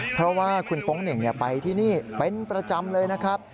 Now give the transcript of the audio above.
เพราะว่าคุณโป๊งเหน่งไปที่นี่เป็นประจำเลยนะครับ